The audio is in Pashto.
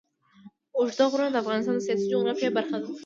اوږده غرونه د افغانستان د سیاسي جغرافیه برخه ده.